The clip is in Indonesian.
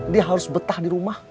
dia harus betah di rumah